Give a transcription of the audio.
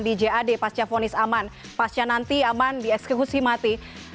di jad pasca ponis aman pasca nanti aman dieksekusi mati